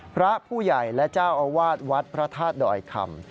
พระผู้ใหญ่และเจ้าอาวาสวัดพระธาตุดอยคำ